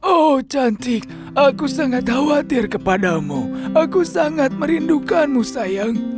oh cantik aku sangat khawatir kepadamu aku sangat merindukanmu sayang